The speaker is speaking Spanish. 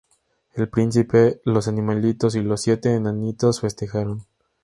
El Príncipe, los animalitos y los siete enanitos festejaron.